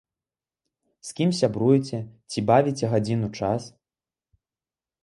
З кім сябруеце, ці бавіце гадзіну час?